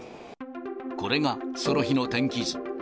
これがその日の天気図。